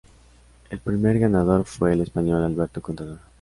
El primer ganador fue el español Alberto Contador.